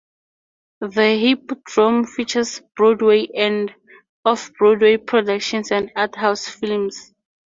The Hippodrome features Broadway and off Broadway productions and art house films.